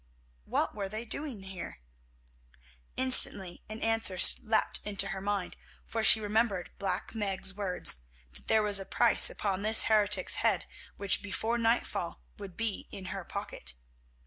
What were they doing here? Instantly an answer leapt into her mind, for she remembered Black Meg's words—that there was a price upon this heretic's head which before nightfall would be in her pocket.